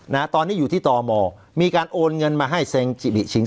นะตอนนี้อยู่ที่ตมมีการโอนเงินมาให้แซงจิริชิง